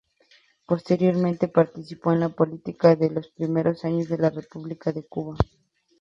Posteriormente, participó en la política de los primeros años de la República de Cuba.